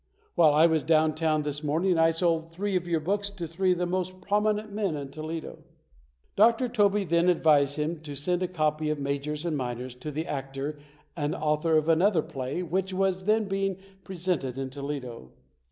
While I was down town this morning I sold three of your books to three of the most prominent men in Toledo". Dr. Tobey then advised him to send a copy of "Majors and Minors" to the actor and author of another play which was then being presented in Toledo.